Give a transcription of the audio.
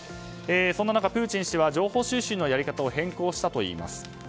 そんな中、プーチン氏は情報収集のやり方を変更したといいます。